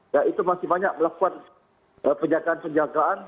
ya itu masih banyak melakukan penjagaan penjagaan